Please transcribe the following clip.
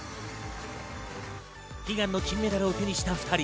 悲願の金メダルを手にした２人。